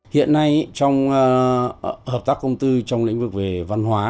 hiện nay trong hợp tác công tư trong lĩnh vực về văn hóa